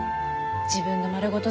自分の丸ごと